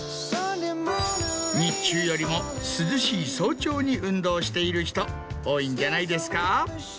日中よりも涼しい早朝に運動している人多いんじゃないですか？